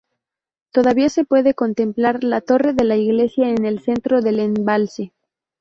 Todavía se puede contemplar la torre de la iglesia en el centro del embalse.